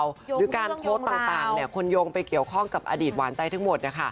หรือการโพสต์ต่างคนโยงไปเกี่ยวข้องกับอดีตหวานใจทั้งหมด